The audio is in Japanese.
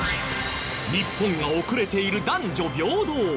日本が遅れている男女平等。